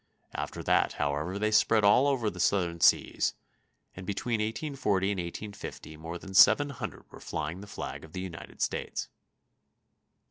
After that, however, they spread all over the Southern seas, and between 1840 and 1850 more than seven hundred were flying the flag of the United States.